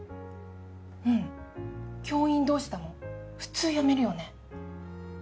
うん教員同士だもん普通辞めるよね。